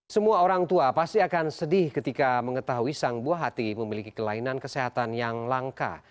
semua orang tua pasti akan sedih ketika mengetahui sang buah hati memiliki kelainan kesehatan yang langka